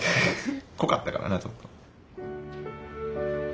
濃かったからなちょっと。